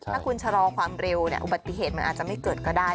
ถ้าคุณชะลอความเร็วเนี่ยอุบัติเหตุมันอาจจะไม่เกิดก็ได้